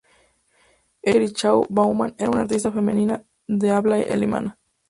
Elisabeth Jerichau-Baumann era una artista femenina de habla alemana.